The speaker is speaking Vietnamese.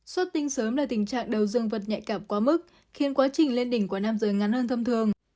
xuất tinh sớm là tình trạng đầu dương vật nhạy cảm quá mức khiến quá trình lên đỉnh của nam giới ngắn hơn thông thường